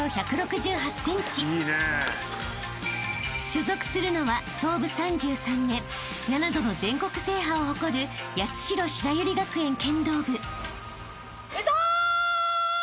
［所属するのは創部３３年７度の全国制覇を誇る八代白百合学園剣道部］